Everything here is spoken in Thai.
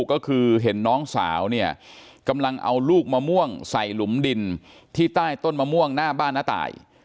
ก็คือเห็นน้องสาวเนี่ยกำลังเอาลูกมะม่วงใส่หลุมดินที่ใต้ต้นมะม่วงหน้าบ้านน้าตาย